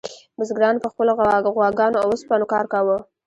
بزګرانو په خپلو غواګانو او اوسپنو کار کاوه.